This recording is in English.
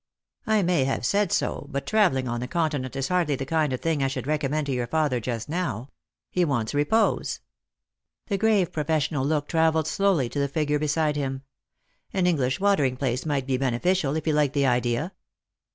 " I may have said so. But travelling on the Continent is hardly the kind of thing I should recommend to your father just now. He wants repose." The grave professional look travelled slowly to the figure beside him. "An English water ing place might be beneficial, if he liked the idea."